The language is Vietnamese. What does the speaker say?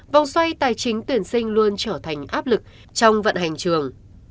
vòng xoay tài chính tuyển sinh luôn trở thành áp lực trong vận hành trường